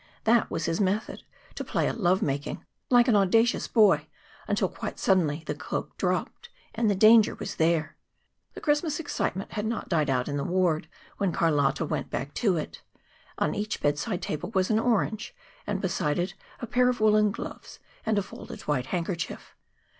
That was his method: to play at love making like an audacious boy, until quite suddenly the cloak dropped and the danger was there. The Christmas excitement had not died out in the ward when Carlotta went back to it. On each bedside table was an orange, and beside it a pair of woolen gloves and a folded white handkerchief.